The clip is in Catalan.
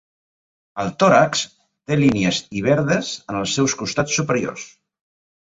El tòrax té línies i verdes en els seus costats superiors.